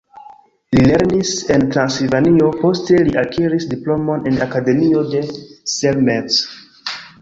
Li lernis en Transilvanio, poste li akiris diplomon en Akademio de Selmec.